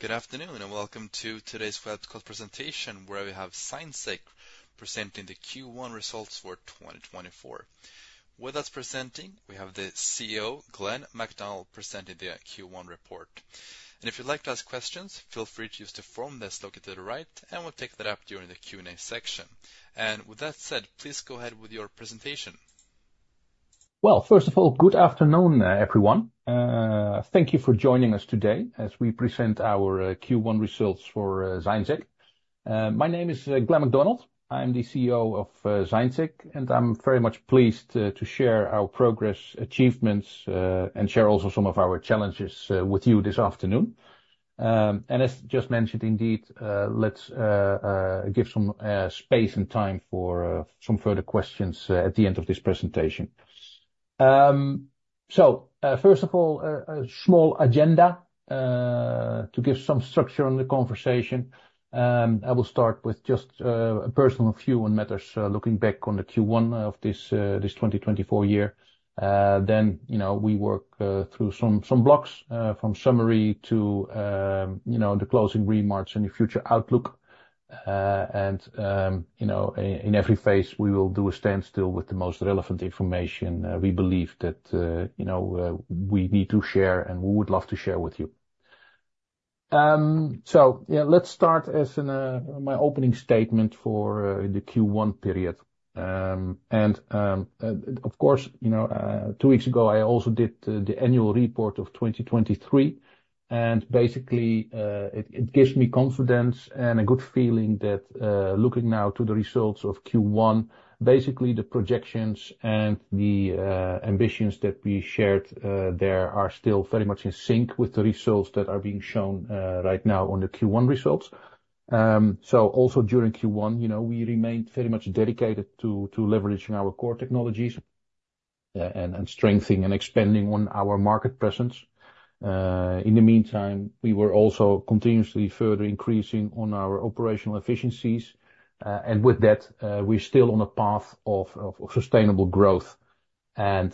Good afternoon, and welcome to today's web presentation, where we have ZignSec presenting the Q1 results for 2024. With us presenting, we have the CEO, Glenn Mac Donald, presenting the Q1 report. And if you'd like to ask questions, feel free to use the form that's located to the right, and we'll take that up during the Q&A section. And with that said, please go ahead with your presentation. Well, first of all, good afternoon, everyone. Thank you for joining us today as we present our Q1 results for ZignSec. My name is Glenn Mac Donald. I'm the CEO of ZignSec, and I'm very much pleased to share our progress, achievements, and share also some of our challenges with you this afternoon. As just mentioned, indeed, let's give some space and time for some further questions at the end of this presentation. First of all, a small agenda to give some structure on the conversation. I will start with just a personal view on matters looking back on the Q1 of this 2024 year. You know, we work through some blocks from summary to you know, the closing remarks and the future outlook. In every phase, we will do a standstill with the most relevant information we believe that you know we need to share, and we would love to share with you. Yeah, let's start as in my opening statement for the Q1 period. Of course, you know, two weeks ago, I also did the annual report of 2023, and basically, it gives me confidence and a good feeling that, looking now to the results of Q1, basically the projections and the ambitions that we shared, there are still very much in sync with the results that are being shown, right now on the Q1 results. So also during Q1, you know, we remained very much dedicated to leveraging our core technologies, and strengthening and expanding on our market presence. In the meantime, we were also continuously further increasing on our operational efficiencies, and with that, we're still on a path of sustainable growth. Yeah,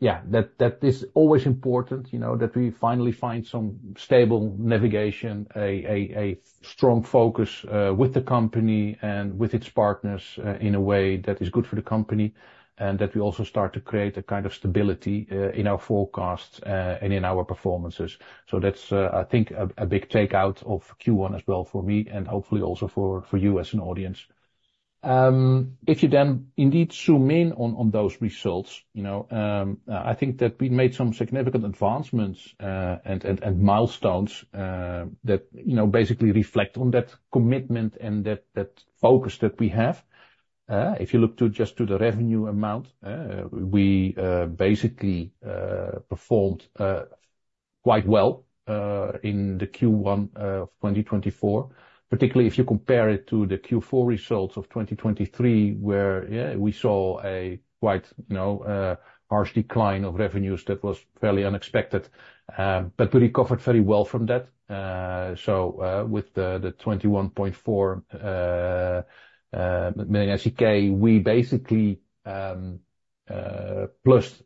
that is always important, you know, that we finally find some stable navigation, a strong focus with the company and with its partners in a way that is good for the company, and that we also start to create a kind of stability in our forecasts and in our performances. So that's, I think, a big takeout of Q1 as well for me and hopefully also for you as an audience. If you then indeed zoom in on those results, you know, I think that we made some significant advancements and milestones that you know, basically reflect on that commitment and that focus that we have. If you look just to the revenue amount, we basically performed quite well in the Q1 of 2024, particularly if you compare it to the Q4 results of 2023, where, yeah, we saw a quite, you know, harsh decline of revenues that was fairly unexpected. But we recovered very well from that. So, with the 21.4 million SEK, we basically plus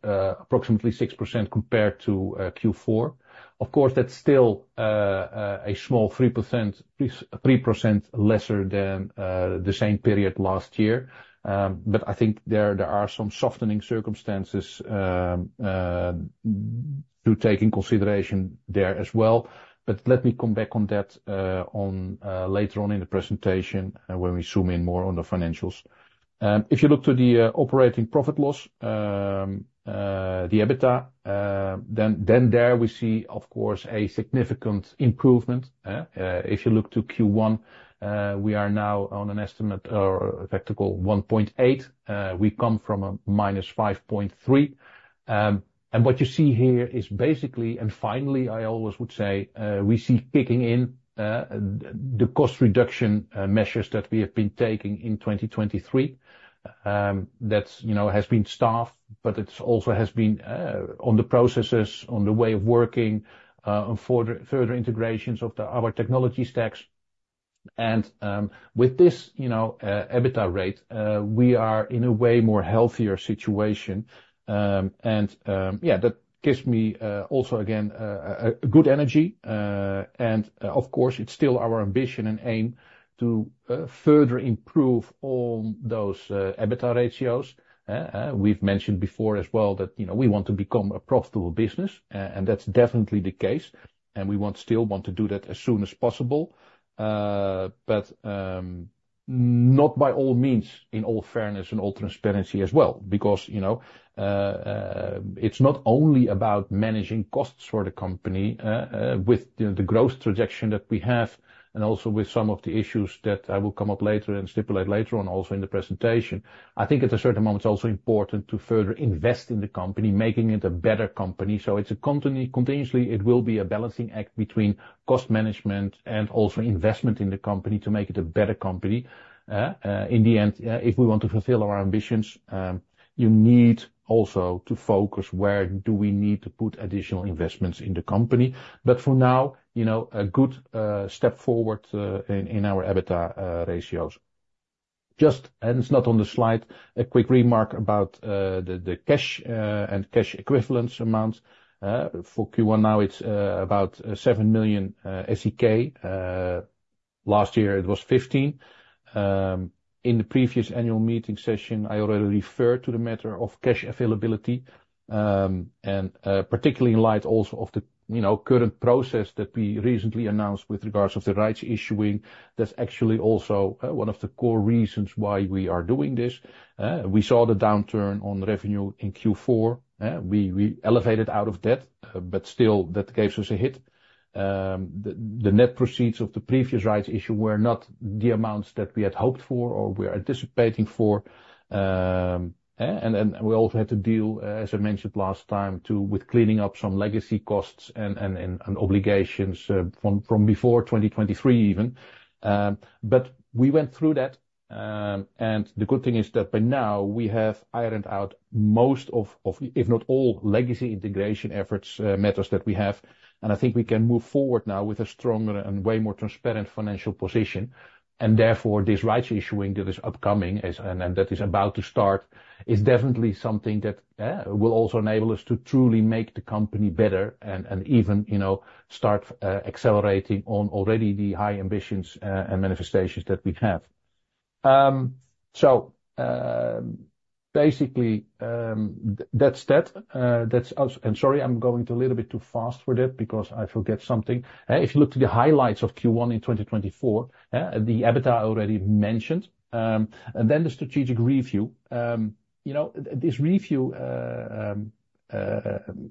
approximately 6% compared to Q4. Of course, that's still a small 3%, 3% lesser than the same period last year. But I think there are some softening circumstances to take in consideration there as well. But let me come back to that later on in the presentation when we zoom in more on the financials. If you look to the operating profit loss, the EBITDA, then there we see, of course, a significant improvement, eh? If you look to Q1, we are now on an estimated or practically 1.8. We come from a -5.3. And what you see here is basically, and finally, I always would say, we see kicking in the cost reduction measures that we have been taking in 2023. That's, you know, has been staffed, but it also has been on the processes, on the way of working, and further integrations of our technology stacks. With this, you know, EBITDA rate, we are in a way more healthier situation. And yeah, that gives me also, again, a good energy, and of course, it's still our ambition and aim to further improve on those EBITDA ratios. We've mentioned before as well, that you know, we want to become a profitable business, and that's definitely the case, and we want still want to do that as soon as possible. But not by all means, in all fairness and all transparency as well, because you know, it's not only about managing costs for the company, with the growth projection that we have and also with some of the issues that I will come up later and stipulate later on also in the presentation. I think at a certain moment, it's also important to further invest in the company, making it a better company. So it's a company continuously, it will be a balancing act between cost management and also investment in the company to make it a better company. In the end, if we want to fulfill our ambitions, you need also to focus where do we need to put additional investments in the company? But for now, you know, a good step forward in our EBITDA ratios. Just, and it's not on the slide, a quick remark about the cash and cash equivalence amounts. For Q1 now it's about 7 million SEK. Last year it was 15 million. In the previous annual meeting session, I already referred to the matter of cash availability. Particularly in light also of the, you know, current process that we recently announced with regards of the rights issue, that's actually also one of the core reasons why we are doing this. We saw the downturn on revenue in Q4. We elevated out of debt, but still, that gave us a hit. The net proceeds of the previous rights issue were not the amounts that we had hoped for or we are anticipating for. And we also had to deal, as I mentioned last time, with cleaning up some legacy costs and obligations from before 2023 even. But we went through that, and the good thing is that by now, we have ironed out most of, if not all, legacy integration efforts, matters that we have. I think we can move forward now with a stronger and way more transparent financial position. Therefore, this rights issue that is upcoming, and that is about to start, is definitely something that will also enable us to truly make the company better and even, you know, start accelerating on already the high ambitions and manifestations that we have. So, basically, that's that. Sorry, I'm going a little bit too fast with it because I forget something. If you look to the highlights of Q1 in 2024, the EBITDA I already mentioned, and then the strategic review. You know, this review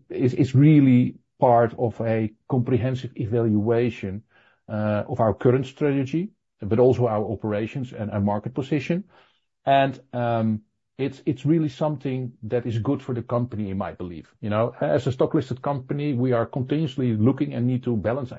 is really part of a comprehensive evaluation of our current strategy, but also our operations and our market position. It's really something that is good for the company, in my belief. You know, as a stock-listed company, we are continuously looking and need to balance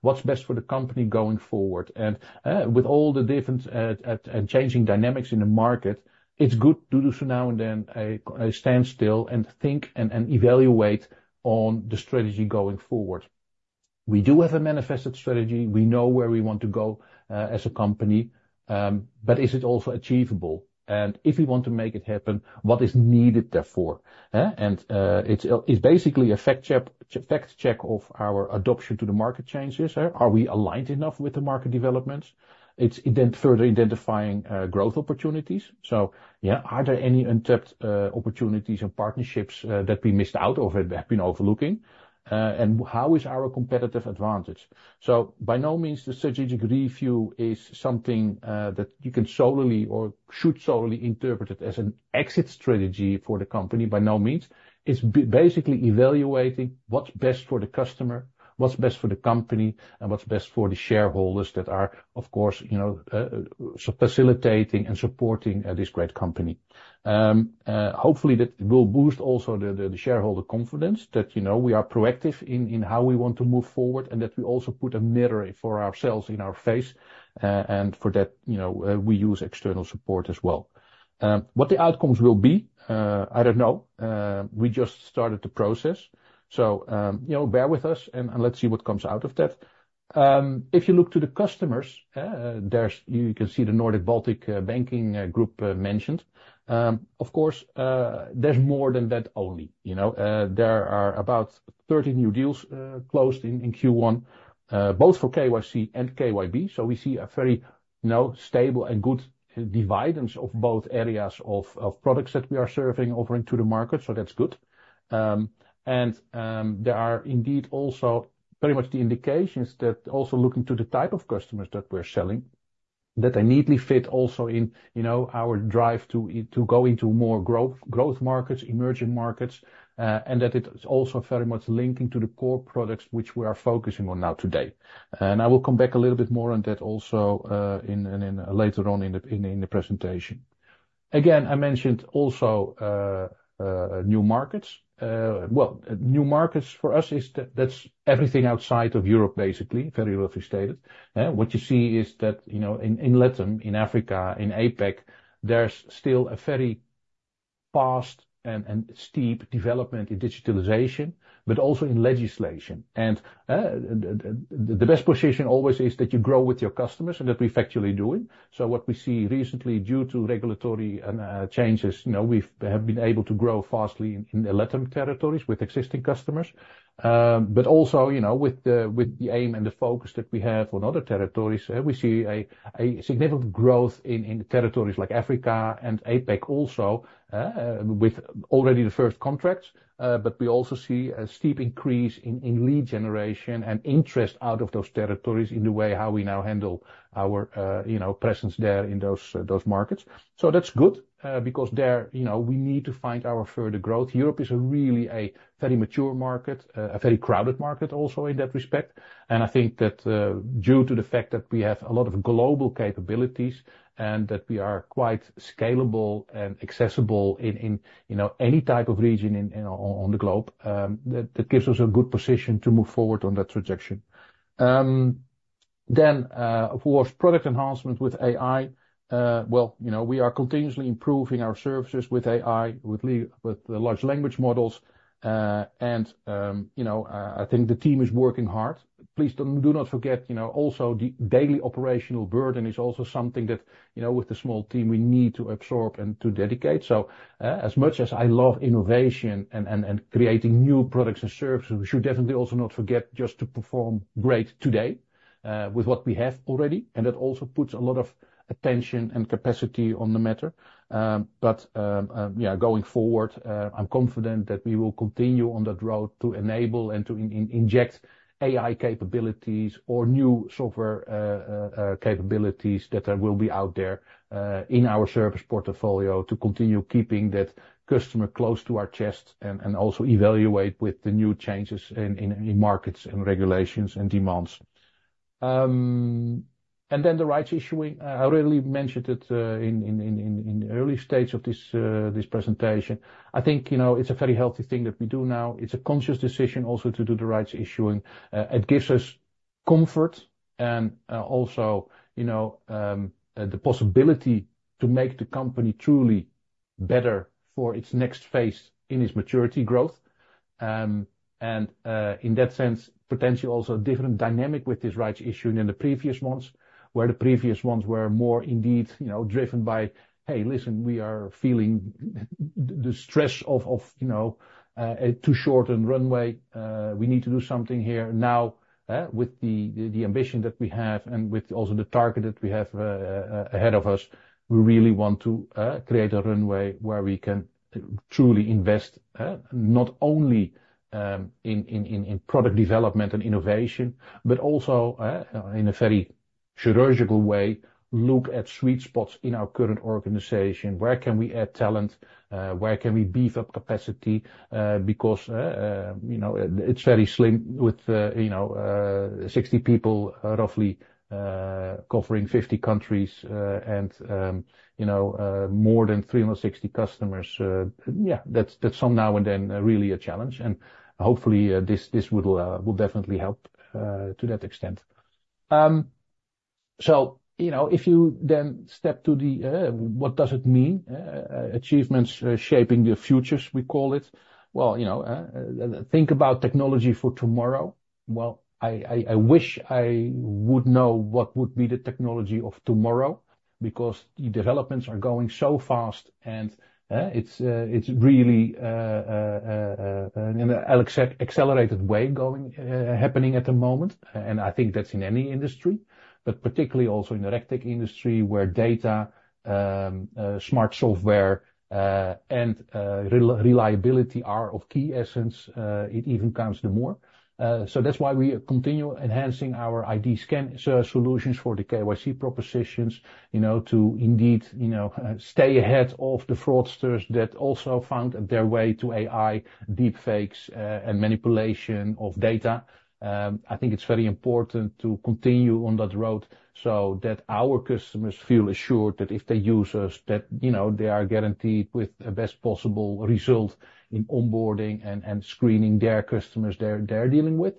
what's best for the company going forward. With all the different and changing dynamics in the market, it's good to do so now and then, a standstill and think and evaluate on the strategy going forward. We do have a manifested strategy. We know where we want to go, as a company, but is it also achievable? And if we want to make it happen, what is needed therefore? It's basically a fact check of our adaptation to the market changes. Are we aligned enough with the market developments? It's then further identifying growth opportunities. So yeah, are there any untapped opportunities and partnerships that we missed out or that have been overlooking? And how is our competitive advantage? So by no means the strategic review is something that you can solely or should solely interpret it as an exit strategy for the company. By no means. It's basically evaluating what's best for the customer, what's best for the company, and what's best for the shareholders that are, of course, you know, facilitating and supporting this great company. Hopefully, that will boost also the shareholder confidence that, you know, we are proactive in how we want to move forward, and that we also put a mirror for ourselves in our face, and for that, you know, we use external support as well. What the outcomes will be, I don't know. We just started the process, so, you know, bear with us, and and let's see what comes out of that. If you look to the customers, there's, you can see the Nordic-Baltic Banking Group mentioned. Of course, there's more than that only. You know, there are about 30 new deals closed in Q1, both for KYC and KYB. So we see a very, you know, stable and good division of both areas of products that we are serving, offering to the market, so that's good. And, there are indeed also very much the indications that also looking to the type of customers that we're selling, that they neatly fit also in, you know, our drive to, to go into more growth, growth markets, emerging markets, and that it's also very much linking to the core products which we are focusing on now today. And I will come back a little bit more on that also, later on in the presentation. Again, I mentioned also new markets. Well, new markets for us is that, that's everything outside of Europe, basically, very roughly stated. What you see is that, you know, in LATAM, in Africa, in APAC, there's still a very fast and steep development in digitalization, but also in legislation. The best position always is that you grow with your customers, and that we're factually doing. So what we see recently, due to regulatory and changes, you know, we have been able to grow fastly in the LATAM territories with existing customers. But also, you know, with the aim and the focus that we have on other territories, we see a significant growth in territories like Africa and APAC also, with already the first contracts. But we also see a steep increase in lead generation and interest out of those territories in the way how we now handle our presence there in those markets. So that's good, because there, you know, we need to find our further growth. Europe is really a very mature market, a very crowded market also in that respect. I think that, due to the fact that we have a lot of global capabilities and that we are quite scalable and accessible in you know any type of region in on the globe, that gives us a good position to move forward on that trajectory. Then, of course, product enhancement with AI. Well, you know, we are continuously improving our services with AI, with the large language models. And, you know, I think the team is working hard. Do not forget, you know, also, the daily operational burden is also something that, you know, with the small team, we need to absorb and to dedicate. So, as much as I love innovation and creating new products and services, we should definitely also not forget just to perform great today, with what we have already. And that also puts a lot of attention and capacity on the matter. But yeah, going forward, I'm confident that we will continue on that road to enable and to inject AI capabilities or new software capabilities that will be out there, in our service portfolio, to continue keeping that customer close to our chest. And also evaluate with the new changes in markets and regulations and demands. And then the rights issue. I already mentioned it, in the early stages of this presentation. I think, you know, it's a very healthy thing that we do now. It's a conscious decision also to do the rights issue. It gives us comfort and, also, you know, the possibility to make the company truly better for its next phase in its maturity growth. In that sense, potentially also a different dynamic with this rights issue than the previous ones, where the previous ones were more indeed, you know, driven by, "Hey, listen, we are feeling the stress of, you know, a too shortened runway. We need to do something here." Now, with the ambition that we have and with also the target that we have ahead of us, we really want to create a runway where we can truly invest not only in product development and innovation, but also in a very surgical way, look at sweet spots in our current organization. Where can we add talent? Where can we beef up capacity? Because you know, it's very slim with you know, 60 people, roughly, covering 50 countries, and you know, more than 360 customers. Yeah, that's some now and then, really a challenge, and hopefully, this will definitely help to that extent. So, you know, if you then step to the, what does it mean? Achievements shaping the futures, we call it. Well, you know, think about technology for tomorrow. Well, I wish I would know what would be the technology of tomorrow, because the developments are going so fast, and it's really an accelerated way going, happening at the moment. And I think that's in any industry, but particularly also in the RegTech industry, where data, smart software, and reliability are of key essence, it even counts to more. So that's why we continue enhancing our ID Scan solutions for the KYC propositions, you know, to indeed, you know, stay ahead of the fraudsters that also found their way to AI, deepfakes, and manipulation of data. I think it's very important to continue on that road so that our customers feel assured that if they use us, that, you know, they are guaranteed with the best possible result in onboarding and screening their customers they're dealing with.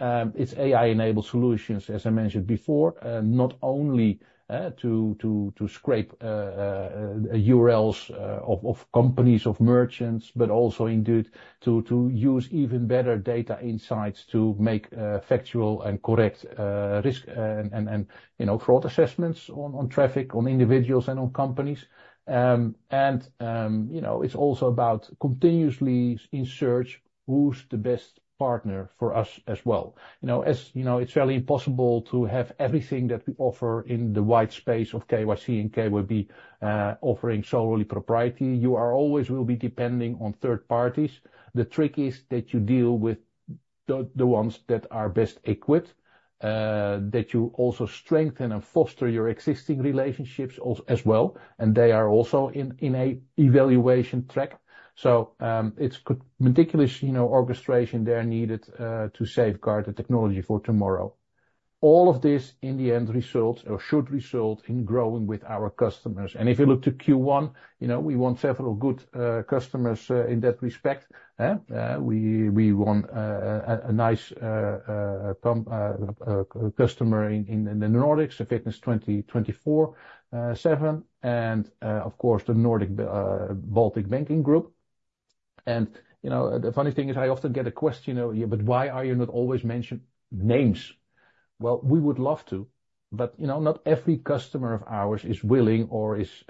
It's AI-enabled solutions, as I mentioned before, not only to scrape URLs of companies, of merchants, but also indeed to use even better data insights to make factual and correct risk and, you know, fraud assessments on traffic, on individuals, and on companies. You know, it's also about continuously in search who's the best partner for us as well. You know, as you know, it's fairly impossible to have everything that we offer in the wide space of KYC and KYB offering solely proprietary. You always will be depending on third parties. The trick is that you deal with the ones that are best equipped, that you also strengthen and foster your existing relationships as well, and they are also in an evaluation track. So, it's good, meticulous, you know, orchestration there needed, to safeguard the technology for tomorrow. All of this, in the end, results or should result in growing with our customers. And if you look to Q1, you know, we won several good customers in that respect. We won a nice customer in the Nordics, Fitness24Seven, and of course, the Nordic-Baltic Banking Group. You know, the funny thing is, I often get a question, "Oh, yeah, but why are you not always mentioning names?" Well, we would love to, but, you know, not every customer of ours is willing or is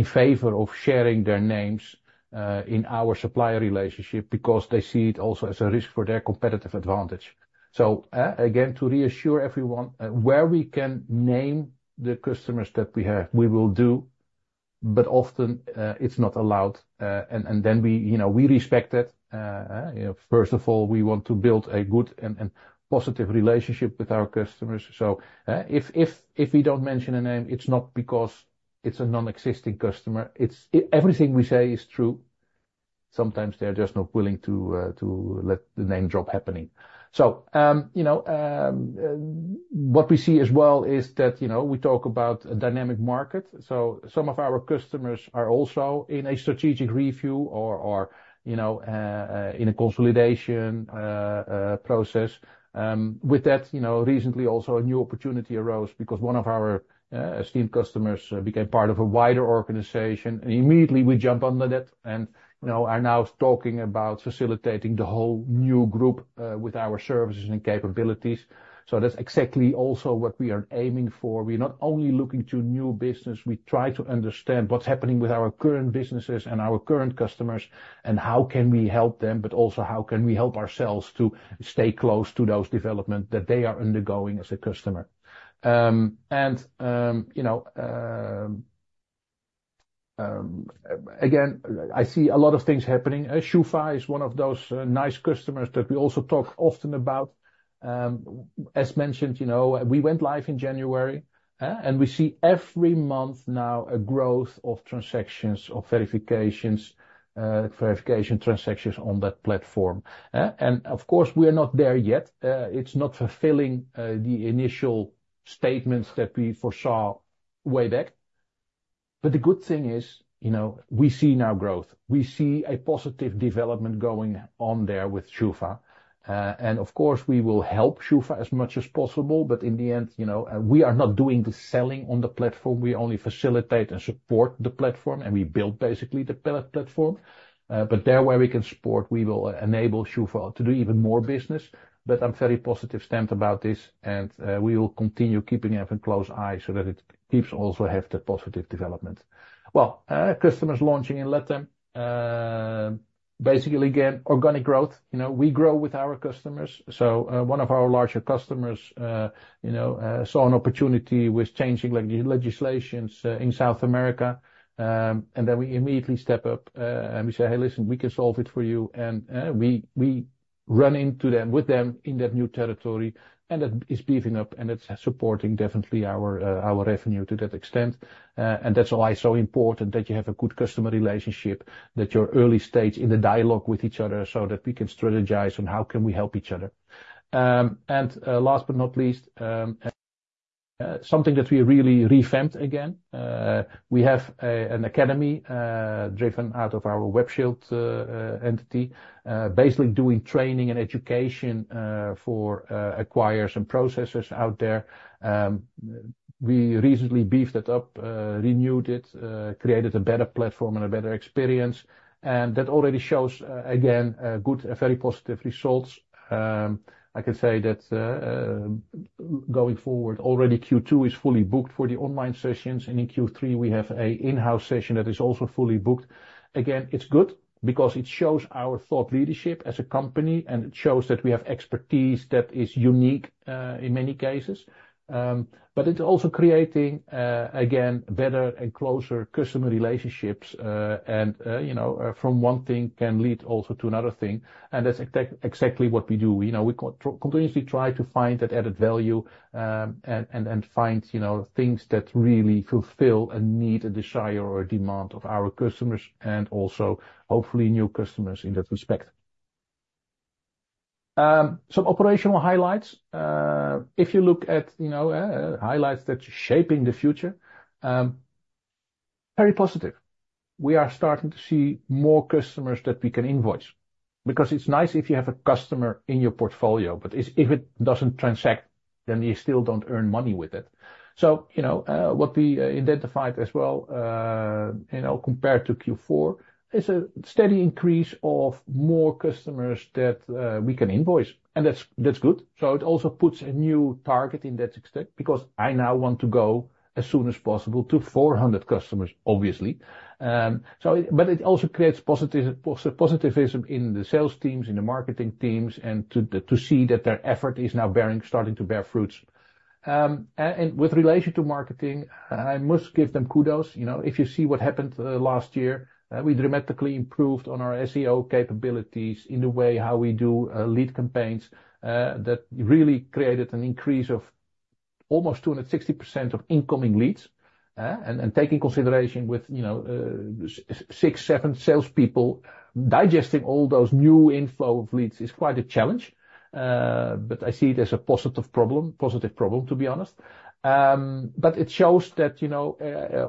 in favor of sharing their names in our supplier relationship because they see it also as a risk for their competitive advantage. So, again, to reassure everyone, where we can name the customers that we have, we will do, but often it's not allowed, and then we, you know, we respect it. First of all, we want to build a good and positive relationship with our customers. So, if we don't mention a name, it's not because it's a non-existing customer. It's... everything we say is true. Sometimes they're just not willing to let the name drop happening. So, you know, what we see as well is that, you know, we talk about a dynamic market. So some of our customers are also in a strategic review or, you know, in a consolidation process. With that, you know, recently also a new opportunity arose because one of our esteemed customers became part of a wider organization, and immediately we jump on that, and, you know, are now talking about facilitating the whole new group with our services and capabilities. So that's exactly also what we are aiming for. We're not only looking to new business, we try to understand what's happening with our current businesses and our current customers, and how can we help them, but also how can we help ourselves to stay close to those development that they are undergoing as a customer. And, you know, again, I see a lot of things happening. SCHUFA is one of those nice customers that we also talk often about. As mentioned, you know, we went live in January. And we see every month now a growth of transactions, of verifications, verification transactions on that platform. And of course, we are not there yet. It's not fulfilling the initial statements that we foresaw way back. But the good thing is, you know, we see now growth. We see a positive development going on there with SCHUFA. And of course, we will help SCHUFA as much as possible, but in the end, you know, we are not doing the selling on the platform. We only facilitate and support the platform, and we build basically the platform. But where we can support, we will enable SCHUFA to do even more business. But I'm very positive stamped about this, and we will continue keeping a close eye so that it keeps also have the positive development. Well, customers launching in LATAM, basically, again, organic growth. You know, we grow with our customers. So, one of our larger customers, you know, saw an opportunity with changing legislations in South America. And then we immediately step up, and we say: "Hey, listen, we can solve it for you." And we run into them with them in that new territory, and that is beefing up, and it's supporting definitely our revenue to that extent. And that's why it's so important that you have a good customer relationship, that you're early stage in the dialogue with each other, so that we can strategize on how can we help each other. And last but not least, something that we really revamped again, we have an academy driven out of our Web Shield entity. Basically doing training and education for acquirers and processors out there. We recently beefed it up, renewed it, created a better platform and a better experience, and that already shows again a good, a very positive results. I can say that, going forward, already Q2 is fully booked for the online sessions, and in Q3, we have a in-house session that is also fully booked. Again, it's good because it shows our thought leadership as a company, and it shows that we have expertise that is unique in many cases. But it's also creating again better and closer customer relationships, and you know, from one thing can lead also to another thing, and that's exactly what we do. You know, we continuously try to find that added value, and find, you know, things that really fulfill a need, a desire, or a demand of our customers, and also hopefully new customers in that respect. So operational highlights. If you look at, you know, highlights that's shaping the future, very positive. We are starting to see more customers that we can invoice, because it's nice if you have a customer in your portfolio, but if it doesn't transact, then you still don't earn money with it. So, you know, what we identified as well, you know, compared to Q4, is a steady increase of more customers that we can invoice, and that's good. So it also puts a new target in that extent, because I now want to go as soon as possible to 400 customers, obviously. But it also creates positivism in the sales teams, in the marketing teams, and to see that their effort is now bearing, starting to bear fruits. And with relation to marketing, I must give them kudos. You know, if you see what happened last year, we dramatically improved on our SEO capabilities in the way how we do lead campaigns. That really created an increase of almost 260% of incoming leads. And take in consideration with, you know, 6, 7 salespeople, digesting all those new info of leads is quite a challenge. But I see it as a positive problem, positive problem, to be honest. But it shows that, you know,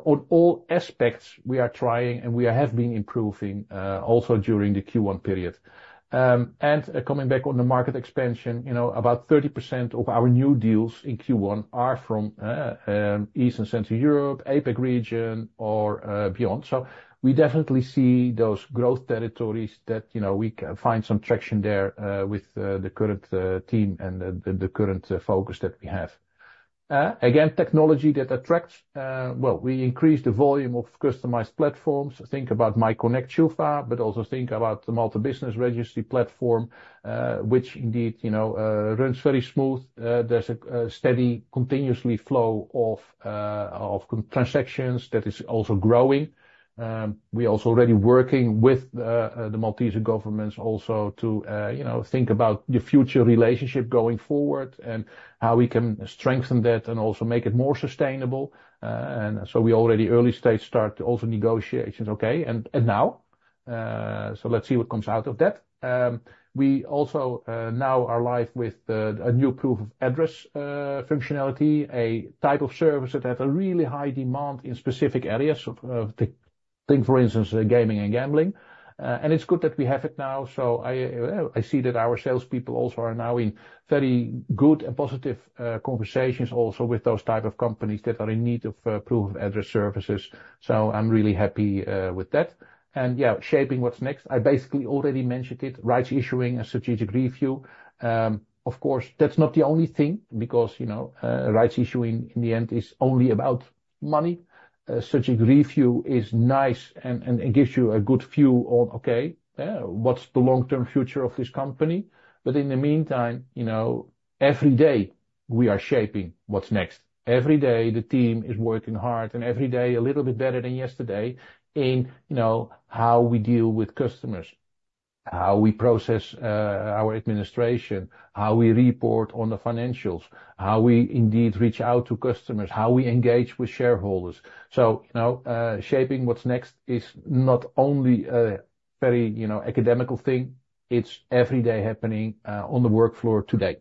on all aspects, we are trying, and we have been improving, also during the Q1 period. Coming back on the market expansion, you know, about 30% of our new deals in Q1 are from East and Central Europe, APAC region, or beyond. So we definitely see those growth territories that, you know, we can find some traction there, with the current team and the current focus that we have. Again, technology that attracts, well, we increased the volume of customized platforms. Think about My Connect Schufa, but also think about the Malta Business Registry platform, which indeed, you know, runs very smooth. There's a steady, continuous flow of constant transactions that is also growing. We're also already working with the Maltese governments also to, you know, think about the future relationship going forward and how we can strengthen that and also make it more sustainable. And so we're already early stage starting also negotiations, okay? So let's see what comes out of that. We also now are live with a new proof of address functionality, a type of service that has a really high demand in specific areas of the, think for instance, gaming and gambling. And it's good that we have it now, so I see that our salespeople also are now in very good and positive conversations also with those type of companies that are in need of proof of address services. So I'm really happy with that. And yeah, shaping what's next. I basically already mentioned it, rights issue a strategic review. Of course, that's not the only thing because, you know, rights issue in the end is only about money. A strategic review is nice and, and it gives you a good view on, okay, what's the long-term future of this company? But in the meantime, you know, every day we are shaping what's next. Every day, the team is working hard, and every day a little bit better than yesterday in, you know, how we deal with customers. How we process our administration, how we report on the financials, how we indeed reach out to customers, how we engage with shareholders. So, you know, shaping what's next is not only a very, you know, academic thing, it's every day happening on the work floor today.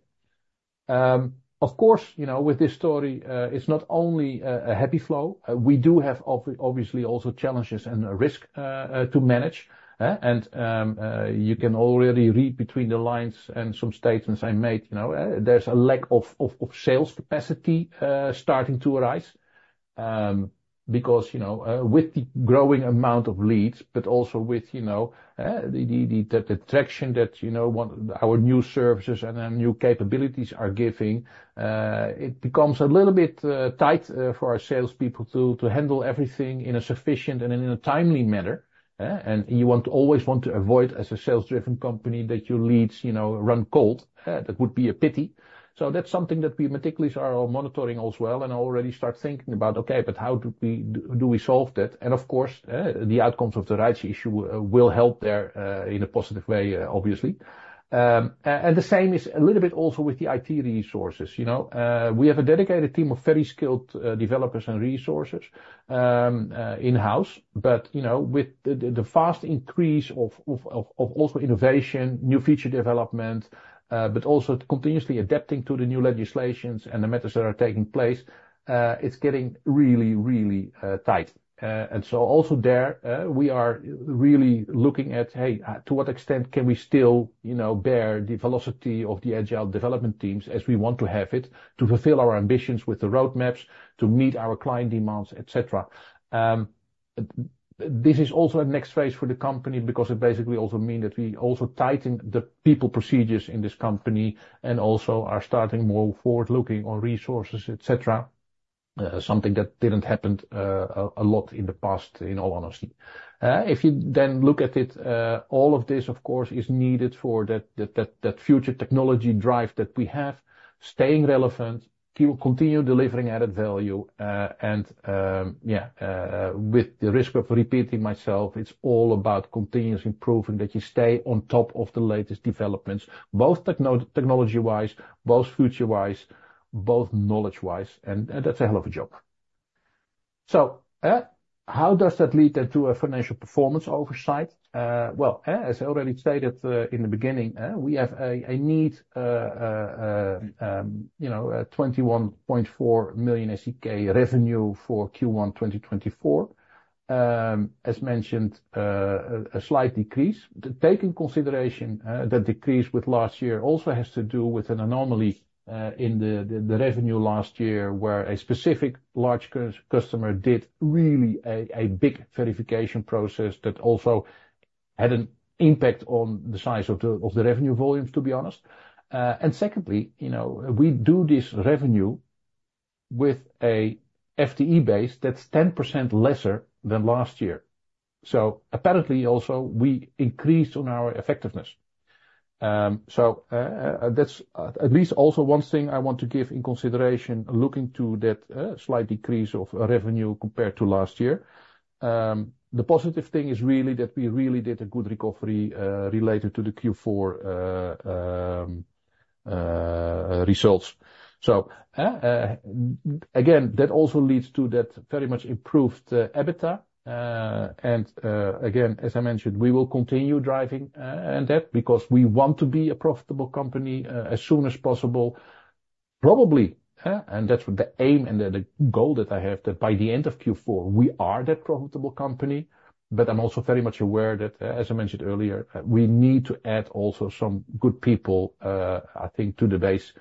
Of course, you know, with this story, it's not only a happy flow. We do have obviously also challenges and a risk to manage, and you can already read between the lines and some statements I made. You know, there's a lack of sales capacity starting to arise. Because, you know, with the growing amount of leads, but also with, you know, the traction that our new services and new capabilities are giving, it becomes a little bit tight for our salespeople to handle everything in a sufficient and in a timely manner, eh? And you want to always avoid, as a sales-driven company, that your leads, you know, run cold. That would be a pity. So that's something that we meticulously are monitoring as well and already start thinking about, okay, but how do we solve that? And of course, the outcomes of the Rights Issue will help there, in a positive way, obviously. And the same is a little bit also with the IT resources. You know, we have a dedicated team of very skilled, developers and resources, in-house. But, you know, with the fast increase of also innovation, new feature development, but also continuously adapting to the new legislations and the methods that are taking place, it's getting really, really, tight. And so also there, we are really looking at, hey, to what extent can we still, you know, bear the velocity of the agile development teams as we want to have it, to fulfill our ambitions with the roadmaps, to meet our client demands, et cetera? This is also a next phase for the company because it basically also mean that we also tighten the people procedures in this company and also are starting more forward-looking on resources, et cetera. Something that didn't happen a lot in the past, in all honesty. If you then look at it, all of this, of course, is needed for that future technology drive that we have, staying relevant, keep continue delivering added value, and, with the risk of repeating myself, it's all about continuous improving, that you stay on top of the latest developments, both technology-wise, both future-wise, both knowledge-wise, and that's a hell of a job. So, how does that lead then to a financial performance oversight? Well, as I already stated, in the beginning, we have a need, you know, 21.4 million SEK revenue for Q1 2024. As mentioned, a slight decrease. Take in consideration that decrease with last year also has to do with an anomaly in the revenue last year, where a specific large customer did really a big verification process that also had an impact on the size of the revenue volumes, to be honest. And secondly, you know, we do this revenue with a FTE base that's 10% lesser than last year. So apparently, also, we increased on our effectiveness. That's at least also one thing I want to give in consideration, looking to that slight decrease of revenue compared to last year. The positive thing is really that we really did a good recovery related to the Q4 results. So again, that also leads to that very much improved EBITDA. Again, as I mentioned, we will continue driving on that because we want to be a profitable company as soon as possible. Probably, and that's the aim and the goal that I have, that by the end of Q4, we are that profitable company. But I'm also very much aware that, as I mentioned earlier, we need to add also some good people, I think, to the base,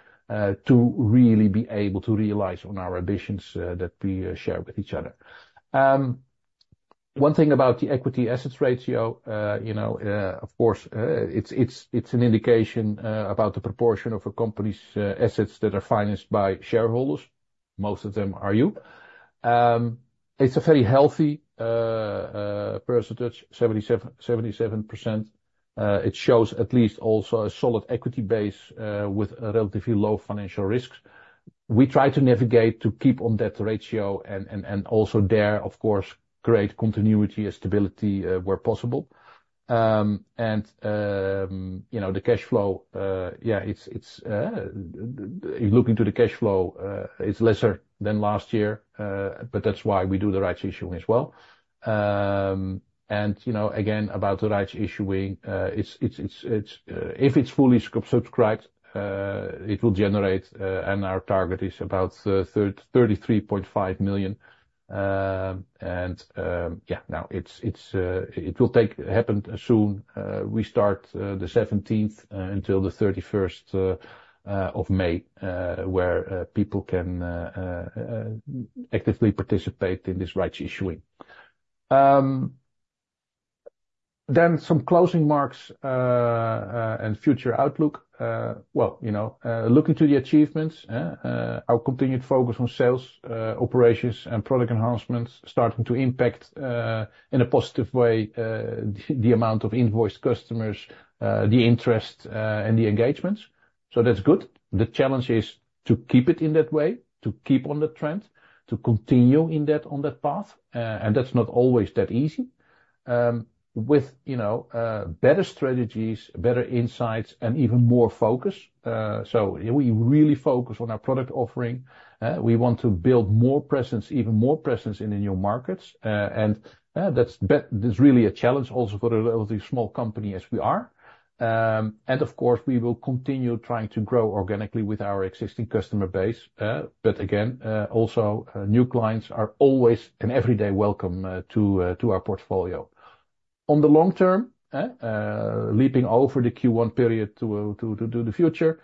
to really be able to realize on our ambitions that we share with each other. One thing about the equity assets ratio, you know, of course, it's an indication about the proportion of a company's assets that are financed by shareholders. Most of them are you. It's a very healthy percentage, 77, 77%. It shows at least also a solid equity base, with a relatively low financial risks. We try to navigate to keep on that ratio, and also there, of course, create continuity and stability, where possible. You know, the cash flow, yeah, it's looking to the cash flow, it's lesser than last year, but that's why we do the rights issue as well. You know, again, about the rights issue, it's if it's fully subscribed, it will generate, and our target is about 33.5 million. Yeah, now it's, it will happen soon. We start the 17th until the 31st of May, where people can actively participate in this rights issue. Then some closing marks and future outlook. Well, you know, looking to the achievements, our continued focus on sales, operations, and product enhancements starting to impact in a positive way the amount of invoiced customers, the interest, and the engagements. So that's good. The challenge is to keep it in that way, to keep on the trend, to continue on that path, and that's not always that easy. With, you know, better strategies, better insights, and even more focus, so we really focus on our product offering. We want to build more presence, even more presence in the new markets, and that's really a challenge also for a relatively small company as we are. And of course, we will continue trying to grow organically with our existing customer base, but again, also, new clients are always an everyday welcome to our portfolio. On the long term, leaping over the Q1 period to the future,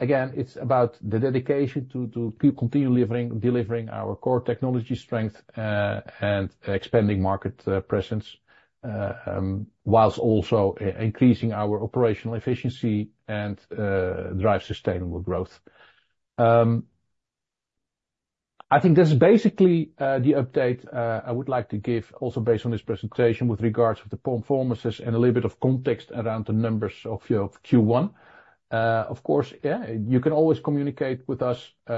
again, it's about the dedication to keep continually delivering our core technology strength, and expanding market presence, whilst also increasing our operational efficiency and drive sustainable growth. I think this is basically the update I would like to give, also based on this presentation, with regards to the performances and a little bit of context around the numbers of Q1. Of course, yeah, you can always communicate with us. We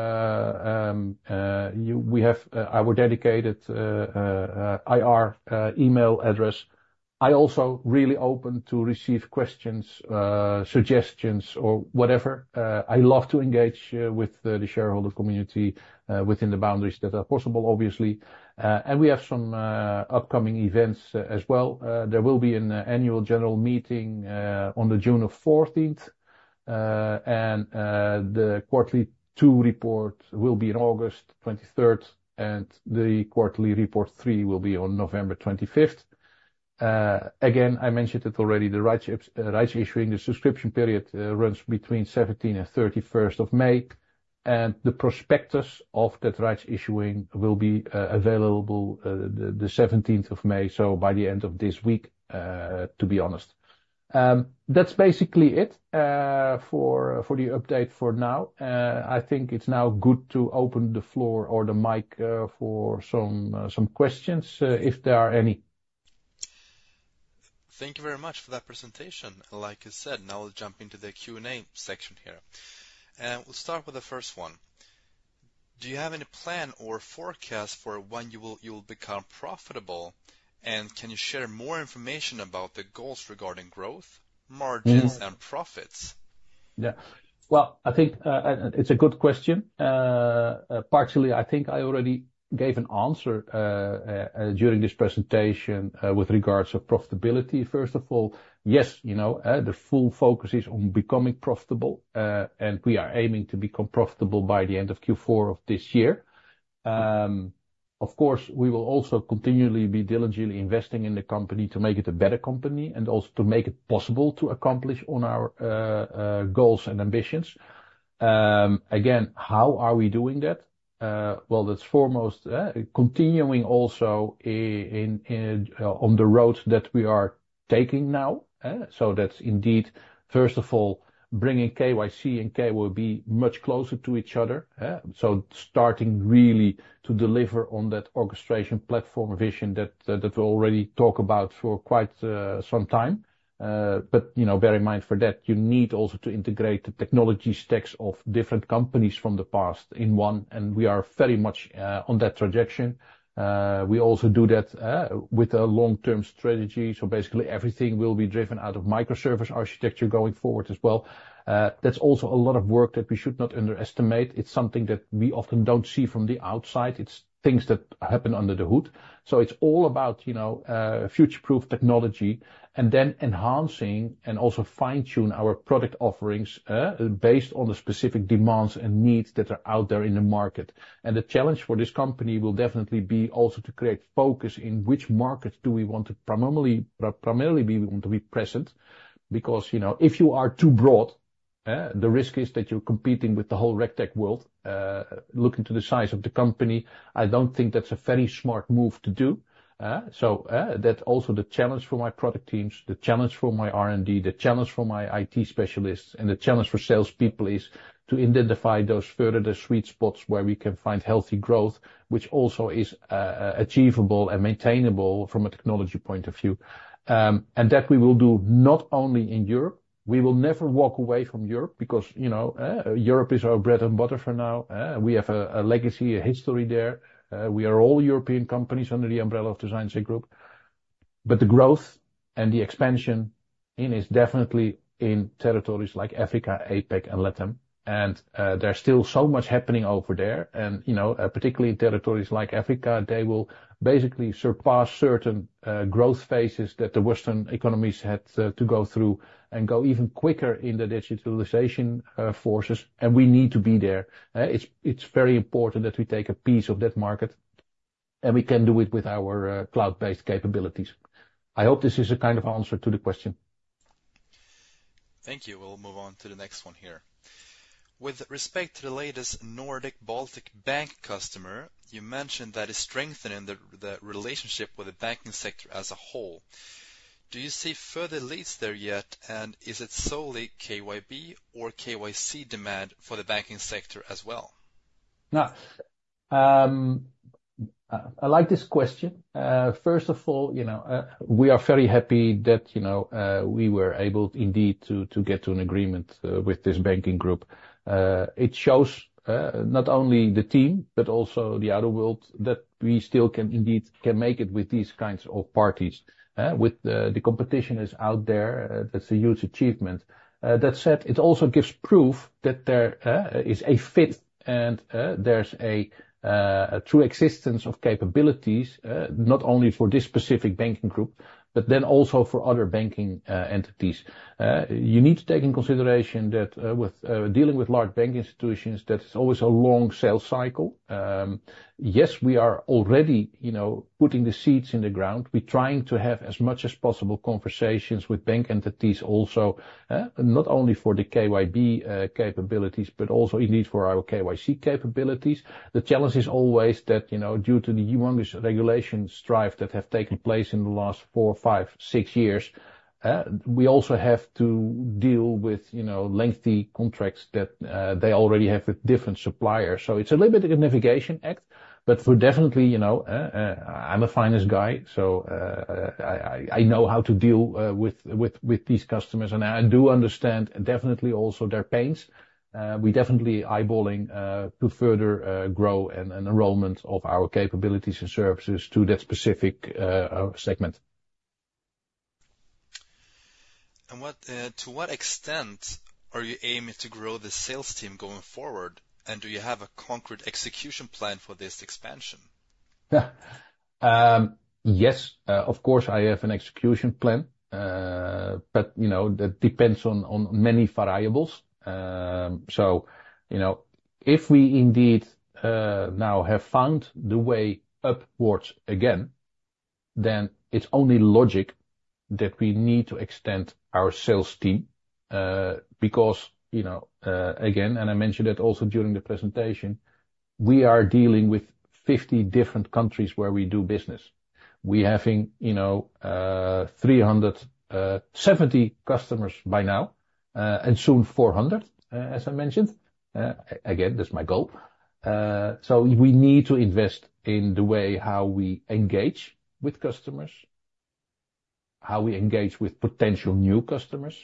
have our dedicated IR email address. I also really open to receive questions, suggestions, or whatever. I love to engage with the shareholder community within the boundaries that are possible, obviously. We have some upcoming events as well. There will be an annual general meeting on June 14th, and the Q2 report will be on August 23rd, and the quarterly report 3 will be on November 25th. Again, I mentioned it already, the rights issue, the subscription period runs between 17th and 31st of May, and the prospectus of that rights issue will be available the 17th of May, so by the end of this week, to be honest. That's basically it for the update for now. I think it's now good to open the floor or the mic for some questions if there are any. Thank you very much for that presentation. Like you said, now we'll jump into the Q&A section here. And we'll start with the first one. Do you have any plan or forecast for when you will, you will become profitable? And can you share more information about the goals regarding growth, margins? Mm-hmm. -and profits? Yeah. Well, I think it's a good question. Partially, I think I already gave an answer during this presentation with regards to profitability. First of all, yes, you know, the full focus is on becoming profitable, and we are aiming to become profitable by the end of Q4 of this year. Of course, we will also continually be diligently investing in the company to make it a better company and also to make it possible to accomplish on our goals and ambitions. Again, how are we doing that? Well, that's foremost, continuing also, on the road that we are taking now, so that's indeed, first of all, bringing KYC and KYB much closer to each other, so starting really to deliver on that orchestration platform vision that, that we already talk about for quite some time. But, you know, bear in mind for that, you need also to integrate the technology stacks of different companies from the past in one, and we are very much on that trajectory. We also do that with a long-term strategy, so basically everything will be driven out of microservice architecture going forward as well. That's also a lot of work that we should not underestimate. It's something that we often don't see from the outside. It's things that happen under the hood. So it's all about, you know, future-proof technology, and then enhancing and also fine-tune our product offerings, based on the specific demands and needs that are out there in the market. And the challenge for this company will definitely be also to create focus in which markets do we want to primarily want to be present. Because, you know, if you are too broad, the risk is that you're competing with the whole RegTech world. Looking to the size of the company, I don't think that's a very smart move to do. So, that's also the challenge for my product teams, the challenge for my R&D, the challenge for my IT specialists, and the challenge for salespeople is to identify those further the sweet spots where we can find healthy growth, which also is achievable and maintainable from a technology point of view. And that we will do not only in Europe. We will never walk away from Europe because, you know, Europe is our bread and butter for now. We have a legacy, a history there. We are all European companies under the umbrella of ZignSec Group. But the growth and the expansion in is definitely in territories like Africa, APAC, and LATAM. There's still so much happening over there, and, you know, particularly in territories like Africa, they will basically surpass certain growth phases that the Western economies had to go through and go even quicker in the digitalization forces, and we need to be there. It's very important that we take a piece of that market, and we can do it with our cloud-based capabilities. I hope this is a kind of answer to the question. Thank you. We'll move on to the next one here. With respect to the latest Nordic Baltic Bank customer, you mentioned that it's strengthening the relationship with the banking sector as a whole. Do you see further leads there yet, and is it solely KYB or KYC demand for the banking sector as well? Now, I like this question. First of all, you know, we are very happy that, you know, we were able indeed to get to an agreement with this banking group. It shows, not only the team, but also the other world, that we still can indeed make it with these kinds of parties. With the competition out there, that's a huge achievement. That said, it also gives proof that there is a fit and there's a true existence of capabilities, not only for this specific banking group, but then also for other banking entities. You need to take in consideration that, with dealing with large bank institutions, that it's always a long sales cycle. Yes, we are already, you know, putting the seeds in the ground. We're trying to have as much as possible conversations with bank entities also, not only for the KYB capabilities, but also indeed for our KYC capabilities. The challenge is always that, you know, due to the enormous regulation strife that have taken place in the last 4, 5, 6 years, we also have to deal with, you know, lengthy contracts that they already have with different suppliers. So it's a little bit of a navigation act, but we're definitely, you know, I'm a finance guy, so I know how to deal with these customers, and I do understand definitely also their pains. We're definitely eyeballing to further grow and enrollment of our capabilities and services to that specific segment. What, to what extent are you aiming to grow the sales team going forward? And do you have a concrete execution plan for this expansion? Yeah. Yes, of course, I have an execution plan. But, you know, that depends on, on many variables. So, you know, if we indeed, now have found the way upwards again, then it's only logic that we need to extend our sales team, because, you know, again, and I mentioned it also during the presentation, we are dealing with 50 different countries where we do business. We're having, you know, 370 customers by now, and soon 400, as I mentioned. Again, that's my goal. So we need to invest in the way how we engage with customers, how we engage with potential new customers.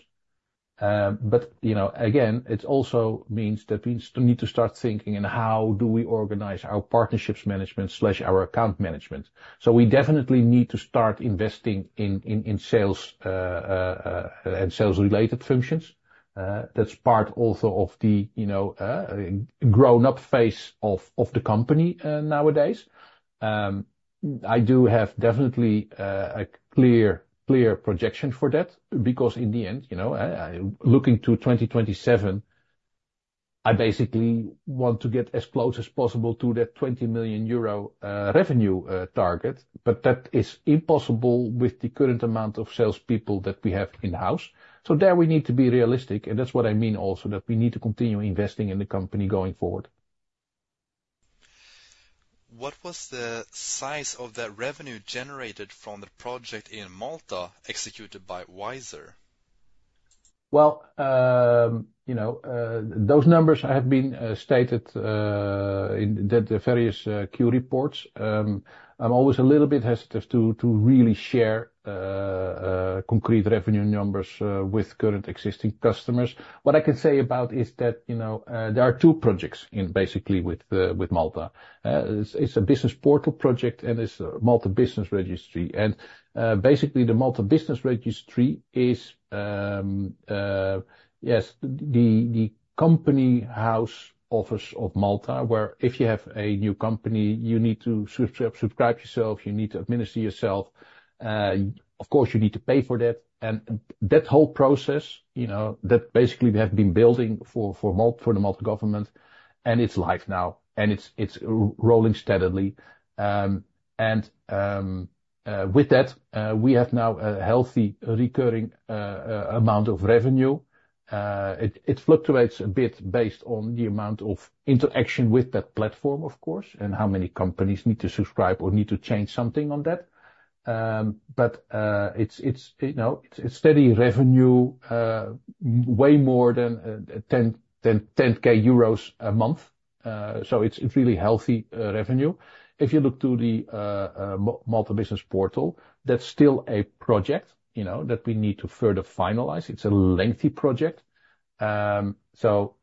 But, you know, again, it also means that we need to start thinking in how do we organize our partnerships management slash our account management. So we definitely need to start investing in sales and sales-related functions. That's part also of the, you know, grown-up phase of the company nowadays. I do have definitely a clear projection for that, because in the end, you know, looking to 2027, I basically want to get as close as possible to that 20 million euro revenue target, but that is impossible with the current amount of salespeople that we have in-house. So there, we need to be realistic, and that's what I mean also, that we need to continue investing in the company going forward. What was the size of the revenue generated from the project in Malta executed by Wyzer? Well, you know, those numbers have been stated in the various Q reports. I'm always a little bit hesitant to really share concrete revenue numbers with current existing customers. What I can say about is that, you know, there are two projects basically with Malta. It's a business portal project, and it's a Malta Business Registry. And basically, the Malta Business Registry is yes, the company house office of Malta, where if you have a new company, you need to subscribe yourself, you need to administer yourself, of course, you need to pay for that. And that whole process, you know, that basically we have been building for the Malta government, and it's live now, and it's rolling steadily. With that, we have now a healthy, recurring amount of revenue. It fluctuates a bit based on the amount of interaction with that platform, of course, and how many companies need to subscribe or need to change something on that. But, it's, you know, it's a steady revenue, way more than 10,000 euros a month. So it's really healthy revenue. If you look to the Malta business portal, that's still a project, you know, that we need to further finalize. It's a lengthy project. So,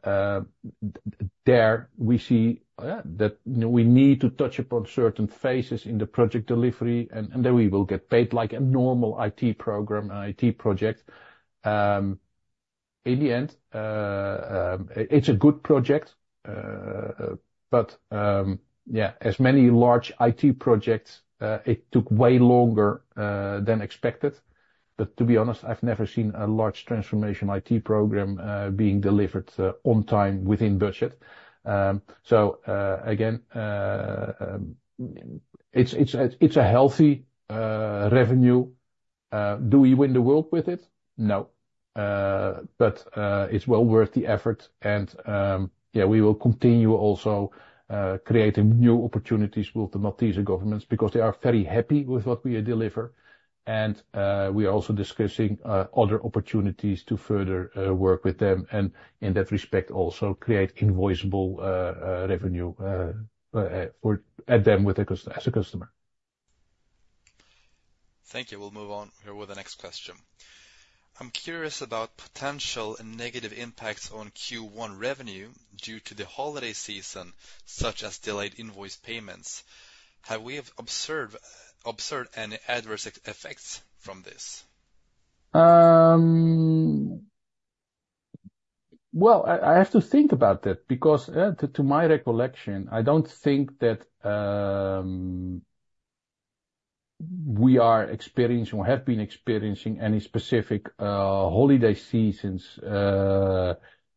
there we see that we need to touch upon certain phases in the project delivery, and then we will get paid like a normal IT program, an IT project. In the end, it's a good project. But yeah, as many large IT projects, it took way longer than expected. But to be honest, I've never seen a large transformation IT program being delivered on time, within budget. So again, it's a healthy revenue. Do we win the world with it? No. But it's well worth the effort, and yeah, we will continue also creating new opportunities with the Maltese governments because they are very happy with what we deliver. And we are also discussing other opportunities to further work with them, and in that respect, also create invoice-able revenue for-- at them with a cust-- as a customer. Thank you. We'll move on here with the next question. I'm curious about potential and negative impacts on Q1 revenue due to the holiday season, such as delayed invoice payments. Have we observed any adverse effects from this? Well, I have to think about that because, to my recollection, I don't think that we are experiencing or have been experiencing any specific holiday seasons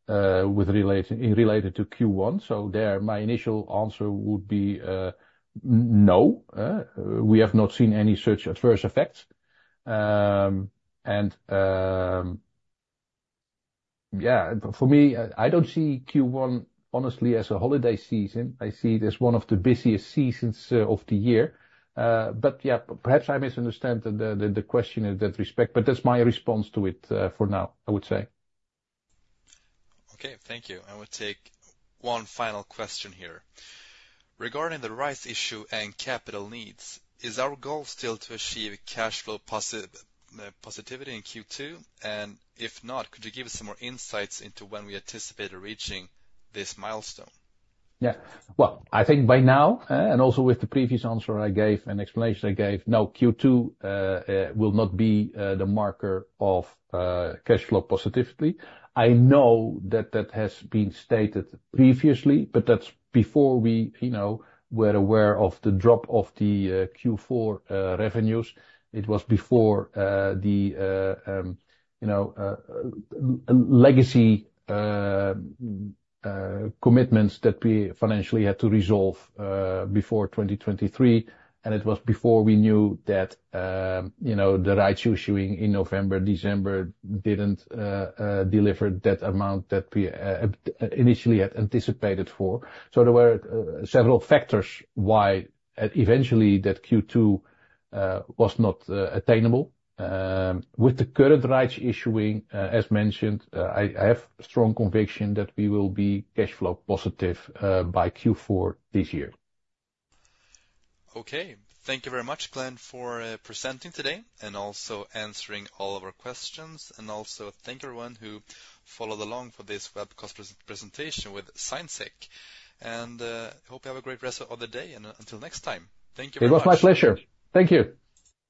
related to Q1. So there, my initial answer would be no, we have not seen any such adverse effects. And, yeah, for me, I don't see Q1, honestly, as a holiday season. I see it as one of the busiest seasons of the year. But yeah, perhaps I misunderstand the question in that respect, but that's my response to it, for now, I would say. Okay, thank you. I will take one final question here. Regarding the rights issue and capital needs, is our goal still to achieve cash flow positivity in Q2? And if not, could you give us some more insights into when we anticipate reaching this milestone? Yeah. Well, I think by now, and also with the previous answer I gave, and explanation I gave, no, Q2 will not be the marker of cash flow positively. I know that that has been stated previously, but that's before we, you know, were aware of the drop of the Q4 revenues. It was before the, you know, legacy commitments that we financially had to resolve before 2023, and it was before we knew that, you know, the rights issue in November, December, didn't deliver that amount that we initially had anticipated for. So there were several factors why eventually that Q2 was not attainable. With the current rights issue, as mentioned, I have strong conviction that we will be cash flow positive by Q4 this year. Okay. Thank you very much, Glenn, for presenting today and also answering all of our questions. Also thank everyone who followed along for this webcast presentation with ZignSec. Hope you have a great rest of the day, and until next time. Thank you very much. It was my pleasure. Thank you!